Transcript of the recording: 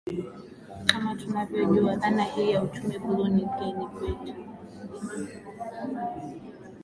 Kama tunavyojua dhana hii ya uchumi bluu ni ngeni kwetu